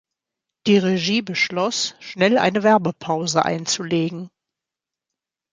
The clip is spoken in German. Die Regie beschloss, schnell eine Werbepause einzulegen.